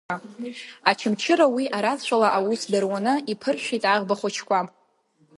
Очамчыра уи арацәала аус дыруны иԥыршәеит аӷба хәыҷқәа.